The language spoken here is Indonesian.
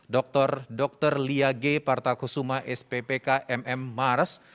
dr dr lia g partakusuma sppk mm mars